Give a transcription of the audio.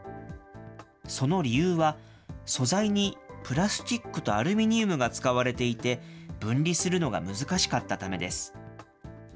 その理由は、素材にプラスチックとアルミニウムが使われていて、分離するのが難しかったためです。